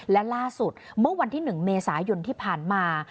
และล่าสุดเมื่อวันที่๑เมษายนที่ผ่านมา